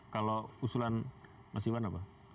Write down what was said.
kalau usulan mas iwan apa